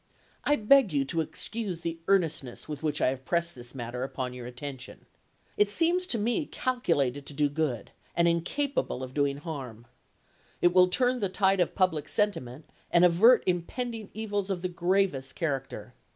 I beg you to excuse the earnestness with which I have pressed this matter upon your attention. It seems to me calculated to do good — and incapable of doing harm. It will turn the tide of public sentiment and avert impend ing evils of the gravest character.